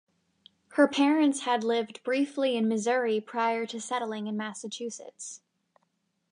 Her parents had lived briefly in Missouri prior to settling in Massachusetts.